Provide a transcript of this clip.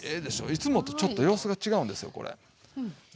いつもとちょっと様子が違うんですよこれ。